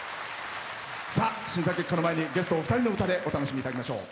審査結果の前にゲストお二人の歌でお楽しみいただきましょう。